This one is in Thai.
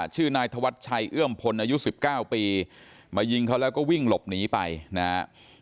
ชื่อนายธวัชชัยเอื้อมพลอายุ๑๙ปีมายิงเขาแล้วก็วิ่งหลบหนีไปนะครับ